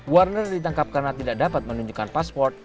warner ditangkap karena tidak dapat menunjukkan pasport